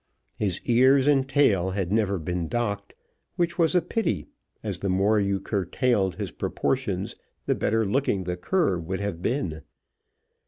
His ears and tail had never been docked, which was a pity, as the more you curtailed his proportions, the better looking the cur would have been.